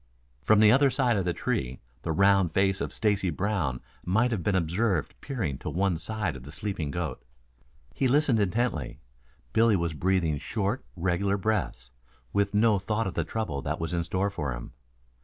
From the other side of the tree the round face of Stacy Brown might have been observed peering to one side of the sleeping goat. He listened intently. Billy was breathing short, regular breaths, with no thought of the trouble that was in store for him.